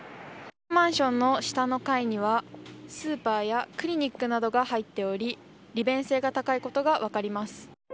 マンションの下の階にはスーパーやクリニックなどが入っており利便性が高いことが分かります。